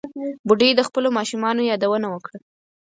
بوډۍ د خپلو ماشومانو یادونه وکړه.